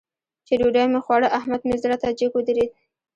چې ډوډۍ مې خوړه؛ احمد مې زړه ته جګ ودرېد.